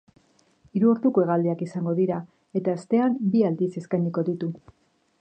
Hiru orduko hegaldiak izango dira, eta astean bi aldiz eskainiko ditu.